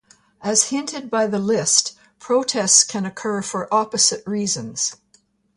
As hinted by the list, protests can occur for opposite reasons.